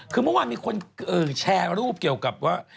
คือเมื่อวานมีคนแชร์รูปเกี่ยวกับว่า